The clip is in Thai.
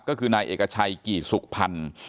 ก็คือนายเอกชัยกี่สุขพันธ์